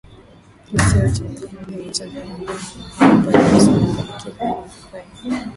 kisiwa cha mapumziko cha Zanzibar ni mahali pazuri sana kwa likizo ya ufukweni